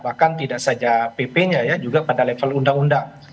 bahkan tidak saja pp nya ya juga pada level undang undang